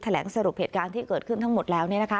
แหลงสรุปเหตุการณ์ที่เกิดขึ้นทั้งหมดแล้ว